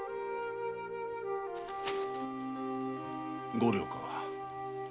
五両か。